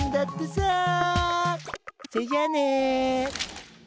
それじゃあね。